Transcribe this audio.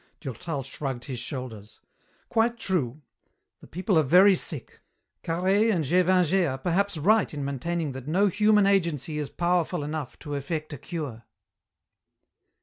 Durtal shrugged his shoulders. "Quite true. The people are very sick. Carhaix and Gévingey are perhaps right in maintaining that no human agency is powerful enough to effect a cure."